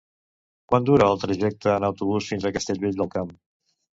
Quant dura el trajecte en autobús fins a Castellvell del Camp?